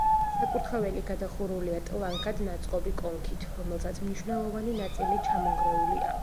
საკურთხეველი გადახურულია ტლანქად ნაწყობი კონქით, რომელსაც მნიშვნელოვანი ნაწილი ჩამონგრეული აქვს.